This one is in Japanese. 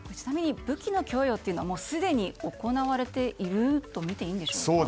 武器の供与はすでに行われているとみていいんでしょうか。